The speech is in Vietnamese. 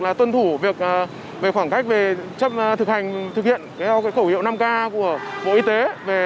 là tuân thủ việc về khoảng cách về chấp thực hành thực hiện theo khẩu hiệu năm k của bộ y tế về